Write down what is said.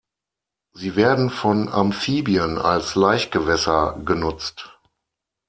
Sie werden von Amphibien als Laichgewässer genutzt.